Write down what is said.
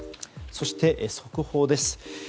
そして、速報です。